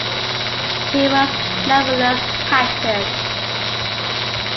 He was nevertheless captured.